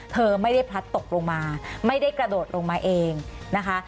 เธอไม่ได้พลัดตกลงมาไม่ได้กระโดดลงมาเองนะคะ